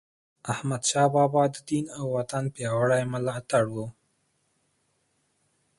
احمدشاه بابا د دین او وطن پیاوړی ملاتړی و.